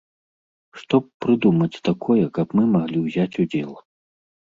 Што б прыдумаць такое, каб мы маглі ўзяць удзел?